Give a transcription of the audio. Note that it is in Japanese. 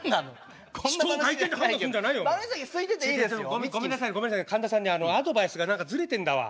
ごめんなさいごめんなさい神田さんねアドバイスが何かずれてんだわ。